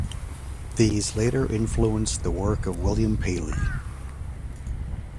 These later influenced the work of William Paley.